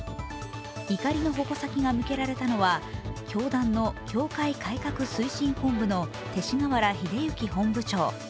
怒りの矛先が向けられたのは教団の教会改革推進本部の勅使河原秀行本部長。